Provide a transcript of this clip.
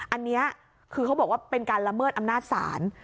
อันนี้คือเขาบอกว่าเป็นการละเมิดอำนาจศาล